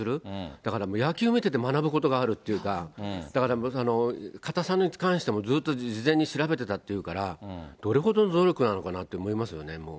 だからもう野球見てて学ぶことがあるっていうか、だから硬さに関してもずっと事前に調べてたっていうから、どれほどの努力なのかなと思いますよね、もう。